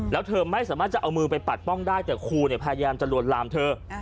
แล้วเธอไม่สามารถจะเอามือไปปัดป้องได้แต่ครูพยายามจะลวนลามเธอ